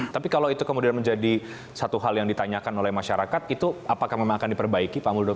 tapi kalau itu kemudian menjadi satu hal yang ditanyakan oleh masyarakat itu apakah memang akan diperbaiki pak muldoko